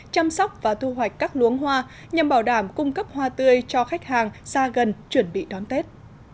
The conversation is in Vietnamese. chăm sóc và thu hoạch các luống hoa nhằm bảo đảm cung cấp hoa tươi cho khách hàng xa gần chuẩn bị đón tết